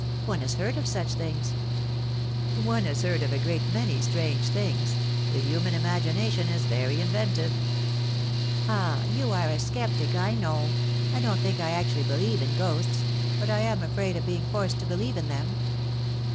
One has heard of such things." 56 THE DAY WILL COME. "One has heard of a great many strange things. The human imagination is very inventive. " "Ah, you are a sceptic, I know. I don't think I actually believe in ghosts — but I am afraid of being forced to believe in them.